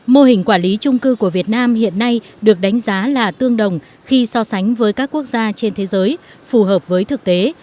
mô hình quản lý trung cư của việt nam hiện nay được đánh giá là tương đồng khi so sánh với các quốc gia trên thế giới phù hợp với thực tế